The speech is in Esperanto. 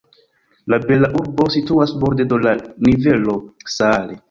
La bela urbo situas borde de la rivero Saale.